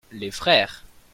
Les frères.